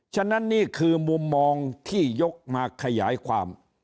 ฉะนั้นนี่คือมุมมองที่ยกมาขยายความ